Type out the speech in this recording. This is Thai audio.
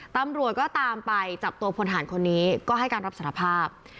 ตำรวจก็ตามไปจับตัวพลฐานคนนี้ก็ให้การรับสารภาพ